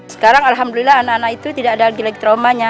sekarang alhamdulillah anak anak itu tidak ada lagi traumanya